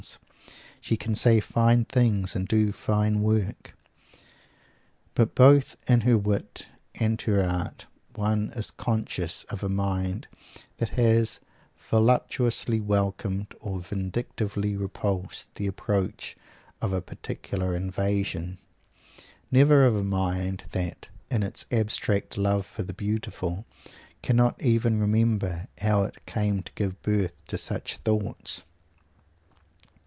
She can say fine things and do fine work; but both in her wit and her art, one is conscious of a mind that has voluptuously welcomed, or vindictively repulsed, the approach of a particular invasion; never of a mind that, in its abstract love for the beautiful, cannot even remember how it came to give birth to such thoughts!